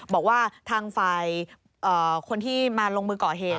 บอกว่าทางฝ่ายคนที่มาลงมือก่อเหตุ